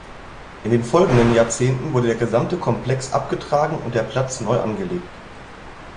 In den folgenden Jahrzehnten wurde der gesamte Komplex abgetragen und der Platz neu angelegt.